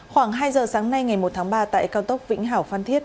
khoảng hai giờ sáng nay ngày một tháng ba tại cao tốc vĩnh hảo phan thiết